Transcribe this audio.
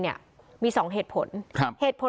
ในอำเภอศรีมหาโพธิ์จังหวัดปลาจีนบุรี